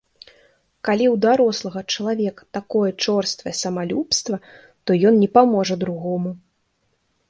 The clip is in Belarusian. Калі ў дарослага чалавека такое чорствае самалюбства, то ён не паможа другому.